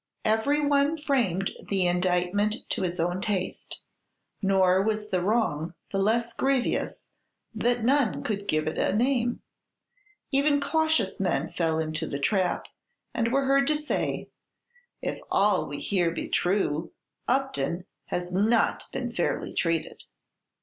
Every one framed the indictment to his own taste; nor was the wrong the less grievous that none could give it a name. Even cautious men fell into the trap, and were heard to say, "If all we hear be true, Upton has not been fairly treated."